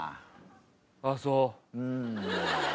あっそう。